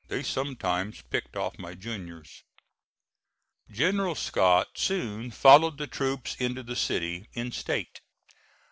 They sometimes picked off my juniors. General Scott soon followed the troops into the city, in state.